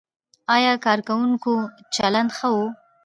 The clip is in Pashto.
ایا کارکوونکو چلند ښه و؟